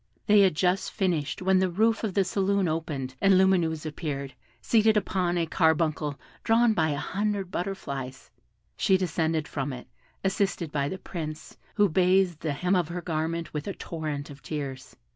They had just finished, when the roof of the saloon opened, and Lumineuse appeared, seated upon a carbuncle drawn by a hundred butterflies; she descended from it, assisted by the Prince, who bathed the hem of her garment with a torrent of tears.